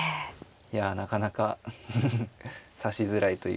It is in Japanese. いやなかなかフフフフ指しづらいというか。